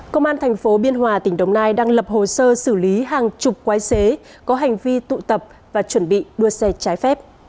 công an thành phố biên hòa tỉnh đồng nai đang lập hồ sơ xử lý hàng chục quái xế có hành vi tụ tập và chuẩn bị đua xe trái phép